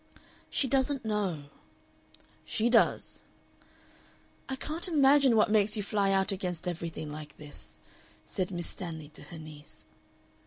"She doesn't know." "She does." "I can't imagine what makes you fly out against everything like this," said Miss Stanley to her niece.